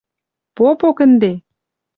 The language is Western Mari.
— Попок ӹнде!